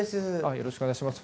よろしくお願いします。